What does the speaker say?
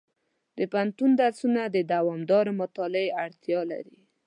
د پوهنتون درسونه د دوامداره مطالعې اړتیا لري.